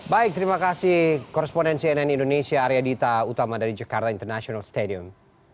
baik terima kasih koresponden cnn indonesia arya dita utama dari jakarta international stadium